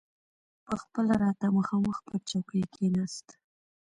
پخپله راته مخامخ پر چوکۍ کښېناست.